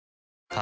あ